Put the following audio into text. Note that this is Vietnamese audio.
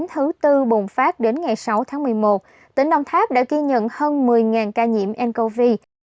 thứ tư bùng phát đến ngày sáu tháng một mươi một tỉnh đồng tháp đã ghi nhận hơn một mươi ca nhiễm ncov